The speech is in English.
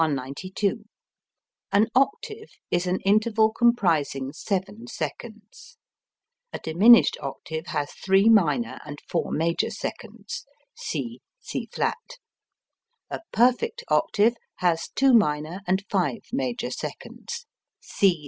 An octave is an interval comprising seven seconds. A diminished octave has three minor and four major seconds. C C[flat]. A perfect octave has two minor and five major seconds.